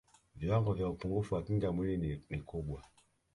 viwango vya upungufu wa kinga mwilini ni kubwa